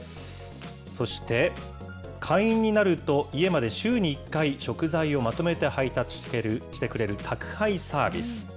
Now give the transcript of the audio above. そして、会員になると、家まで週に１回、食材をまとめて配達してくれる宅配サービス。